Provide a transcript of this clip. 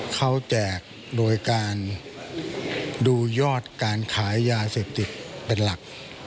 เขาแจกโดยการดูยอดการขายยาเสพติดเป็นหลัก